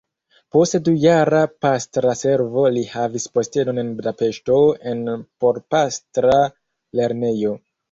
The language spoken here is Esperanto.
Post dujara pastra servo li havis postenon en Budapeŝto en porpastra lernejo.